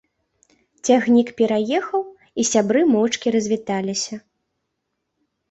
Цягнік пераехаў, і сябры моўчкі развіталіся.